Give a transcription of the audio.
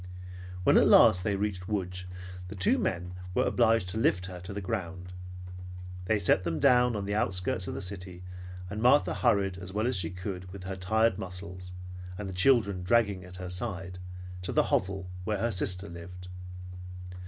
When at last they reached Lodz, the two men were obliged to lift her to the ground. They set them down on the outskirts of the city and Martha hurried, as well as she could with her tired muscles, and the children dragging at her side, to the hovel where her sister lived.